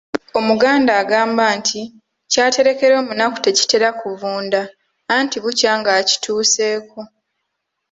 Omuganda agamba nti kyaterekera omunaku tekitera kuvunda anti bukya nga akituuseeko.